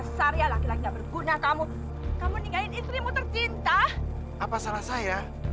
sampai jumpa di video selanjutnya